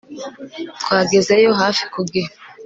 twageze yo hafi ku gihe